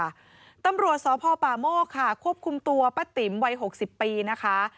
นี่ค่ะตำรวจสปโมกค่ะควบคุมตัวป้าติ๋มวัย๖๐ปีนะคะ